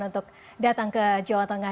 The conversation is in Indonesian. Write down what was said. untuk datang ke jawa tengah